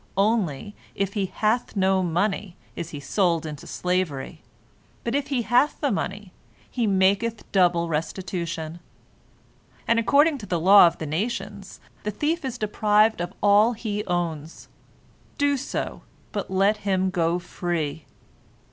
Only, if he hath no money, he is sold into slavery, but if he hath the money, he maketh double restitution. And according to the law of the nations, the thief is deprived of all he owns. Do so, but let him go free.